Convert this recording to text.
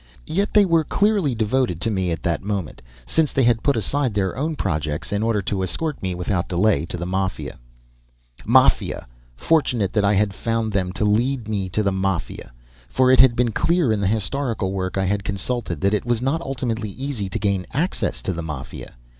Yet they were clearly devoted to me, at that moment, since they had put aside their own projects in order to escort me without delay to the Mafia. Mafia! Fortunate that I had found them to lead me to the Mafia! For it had been clear in the historical work I had consulted that it was not ultimately easy to gain access to the Mafia.